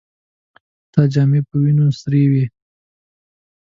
ستا جامې په وينو سرې وې.